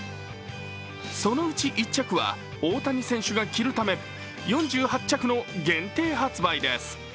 そのうち１着は大谷選手が着るため４８着の限定発売です。